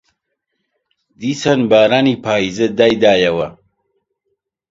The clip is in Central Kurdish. دیسان بارانی پاییزە دایدایەوە